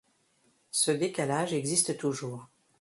Ce décalage existe toujours.